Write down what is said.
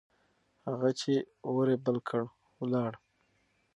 هغه چې اور يې بل کړ، ولاړ.